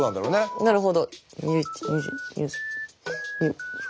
なるほど。